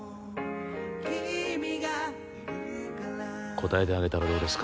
応えてあげたらどうですか？